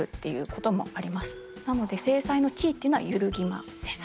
なので正妻の地位っていうのは揺るぎません。